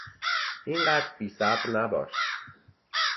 اینقدر بیصبر نباش!